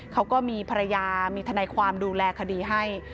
เขาก็มีภรรยามีทนายความดูแลคดีให้